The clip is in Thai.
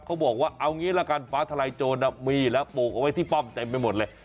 เขาบอกว่าเอางี้ละกันฟ้าทลายโจรมีแล้วปลูกเอาไว้ที่ป้อมเต็มไปหมดเลย